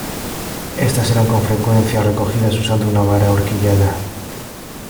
Estas eran con frecuencia recogidas usando una vara ahorquillada.